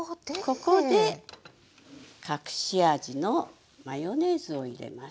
ここで隠し味のマヨネーズを入れます。